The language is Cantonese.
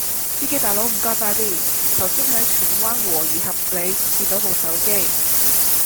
司機大佬唔該快啲，頭先喺荃灣和宜合里跌左部手機